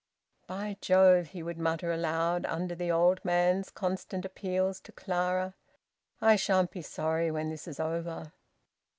"By Jove!" he would mutter aloud, under the old man's constant appeals to Clara, "I shan't be sorry when this is over."